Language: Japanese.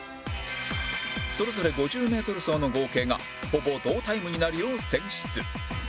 それぞれ５０メートル走の合計がほぼ同タイムになるよう選出